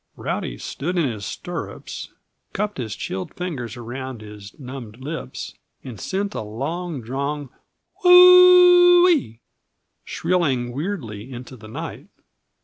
Rowdy stood in his stirrups, cupped his chilled fingers around his numbed lips, and sent a longdrawn "Who ee!" shrilling weirdly into the night.